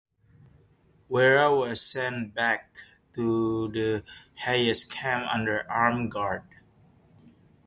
Werra was sent back to the Hayes camp under armed guard.